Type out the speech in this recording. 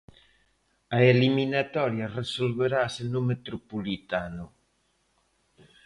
A eliminatoria resolverase no Metropolitano.